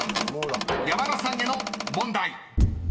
［山田さんへの問題］